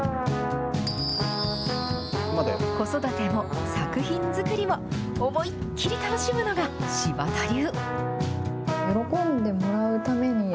子育ても作品作りも思いっ切り楽しむのが柴田流。